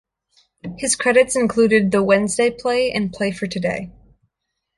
His credits included "The Wednesday Play" and "Play for Today".